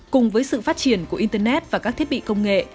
cùng với sự phát triển của internet và các thiết bị công nghệ